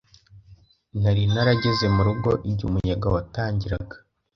Nari narageze mu rugo igihe umuyaga watangiraga.